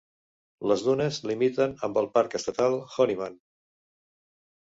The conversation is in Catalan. Les dunes limiten amb el parc estatal Honeyman.